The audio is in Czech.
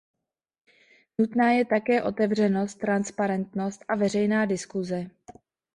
Nutná je také otevřenost, transparentnost a veřejná diskuse.